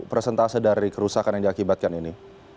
presentase dari kerusakan yang diakibatkan ini